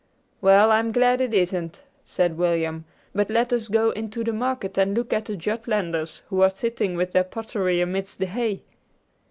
"Well, I'm glad it isn't," said William; "but let us go into the market and look at the Jutlanders, who are sitting with their pottery amidst the hay."